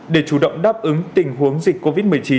để chủ động đáp ứng tình huống dịch covid một mươi chín